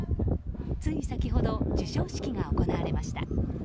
つい先ほど授賞式が行われました。